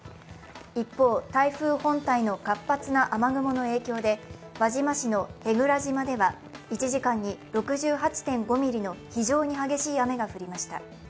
一方、台風本体の活発な雨雲の影響で輪島市の舳倉島では１時間に６８．５ミリの非常に激しい雨が降りました。